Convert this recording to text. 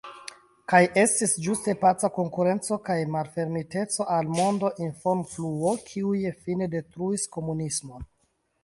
Kaj estis ĝuste paca konkurenco kaj malfermiteco al monda informofluo, kiuj fine detruis komunismon.